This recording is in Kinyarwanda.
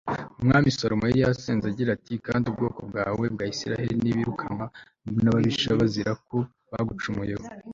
umwami salomo yari yarasenze agira ati kandi ubwoko bwawe bwa isirayeli nibirukanwa n'ababisha bazira ko bagucumuyeho